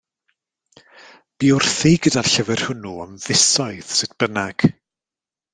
Bu wrthi gyda'r llyfr hwnnw am fisoedd, sut bynnag.